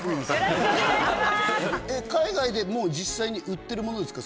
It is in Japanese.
海外でもう実際に売ってるものですか？